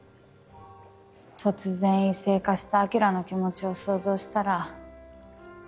突然異性化した晶の気持ちを想像したら。